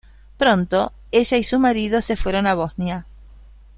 Pronto, ella y su marido se fueron a Bosnia.